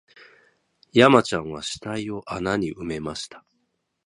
山ちゃんは死体を穴に埋めました